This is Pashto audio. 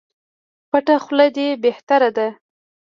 پټه خوله دي بهتري ده